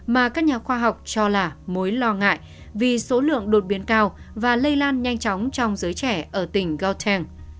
mà các nhà khoa học cho là mối lo ngại vì số lượng đột biến cao và lây lan nhanh chóng trong giới trẻ ở tỉnh goldeng